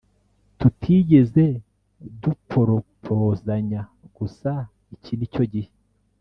tutigeze duporopozanya gusa icyi nicyo gihe